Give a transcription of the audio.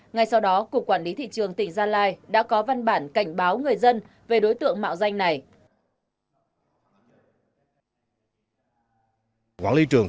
ngay sau đó cục quản lý thị trường tỉnh gia lai đã có văn bản cảnh báo người dân về đối tượng mạo danh này